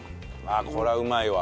これはうまいわ。